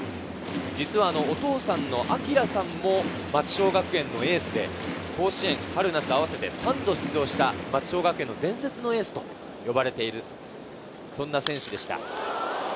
実は、お父さんのあきらさんも松商学園のエースで、甲子園、春夏合わせて３度出場した松商学園・伝説のエースと呼ばれている選手でした。